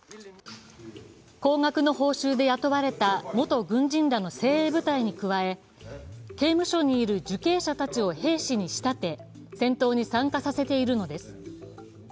高額の報酬で雇われた元軍人らの精鋭部隊に加え、刑務所にいる受刑者たちを兵士に仕立て戦闘に参加させているのです。